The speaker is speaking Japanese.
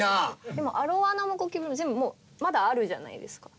でもアロワナもゴキブリも全部まだあるじゃないですか。